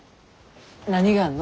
何があんの？